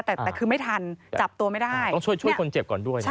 แต่แต่คือไม่ทันจับตัวไม่ได้ต้องช่วยช่วยคนเจ็บก่อนด้วยนะ